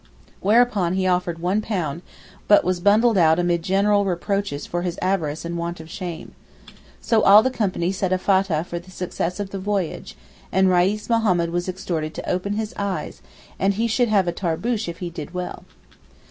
Whereupon he offered £1, but was bundled out amid general reproaches for his avarice and want of shame. So all the company said a Fattah for the success of the voyage, and Reis Mohammed was exhorted to 'open his eyes,' and he should have a tarboosh if he did well.